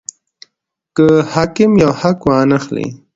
که حاکم یو حق وانه خلي.